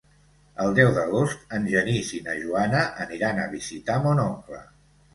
El deu d'agost en Genís i na Joana aniran a visitar mon oncle.